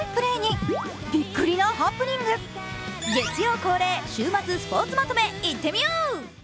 月曜恒例「週末まとめ」、いってみよう！